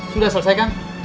sudah selesai kang